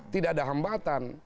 tidak ada hambatan